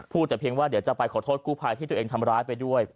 แต่เพียงว่าเดี๋ยวจะไปขอโทษกู้ภัยที่ตัวเองทำร้ายไปด้วย